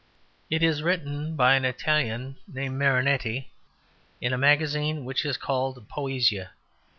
It is written by an Italian named Marinetti, in a magazine which is called Poesia.